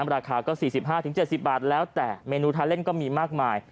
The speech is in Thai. ราคาก็๔๕๗๐บาทแล้วแต่เมนูทาเล่นก็มีมากมาย